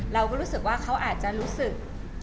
เราก็รู้สึกว่าเขาอาจจะรู้สึก